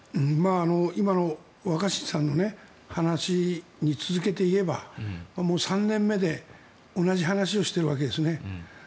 今の若新さんの話に続けていえばもう３年目で同じ話をしているわけですね。